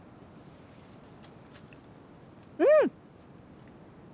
うん！